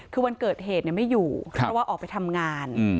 คือวันเกิดเหตุไม่อยู่เพราะว่าออกไปทำงาน